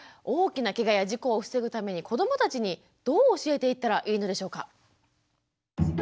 大きなケガや事故を防ぐために子どもたちにどう教えていったらいいのでしょうか。